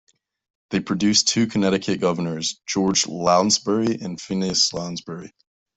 They produced two Connecticut governors, George Lounsbury and Phineas Lounsbury.